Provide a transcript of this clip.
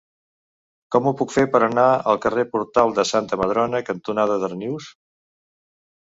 Com ho puc fer per anar al carrer Portal de Santa Madrona cantonada Darnius?